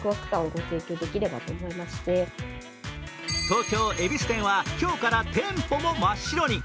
東京・恵比寿店は今日から店舗も真っ白に。